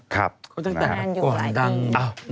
ครับดังนั้นอยู่หลายที่